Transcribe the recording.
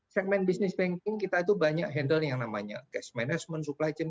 segmen business banking kita itu banyak handle yang namanya cash management supply chain